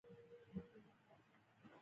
وایي چې کله مسلمان شو.